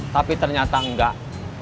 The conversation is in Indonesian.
tapi ternyata enggak